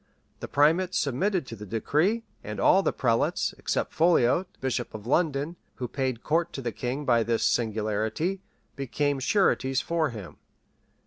The primate submitted to the decree; and all the prelates, except Folliot, bishop of London, who paid court to the king by this singularity, became sureties for him.